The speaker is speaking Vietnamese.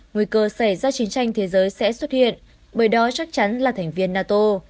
nguy cơ xảy ra chiến tranh thế giới sẽ xuất hiện bởi đó chắc chắn là thành viên nato